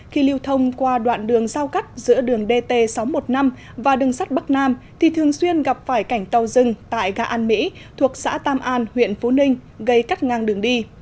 khi lưu thông qua đoạn đường giao cắt giữa đường dt sáu trăm một mươi năm và đường sắt bắc nam thì thường xuyên gặp phải cảnh tàu dừng tại gà an mỹ thuộc xã tam an huyện phú ninh gây cắt ngang đường đi